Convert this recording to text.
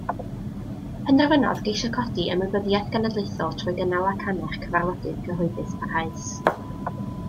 Penderfynodd geisio codi ymwybyddiaeth genedlaethol trwy gynnal ac annerch cyfarfodydd cyhoeddus parhaus.